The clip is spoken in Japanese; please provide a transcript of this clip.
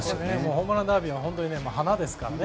ホームランダービーは華ですからね。